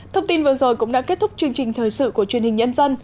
thông tin vừa rồi cũng đã kết thúc chương trình thời sự của truyền hình nhân dân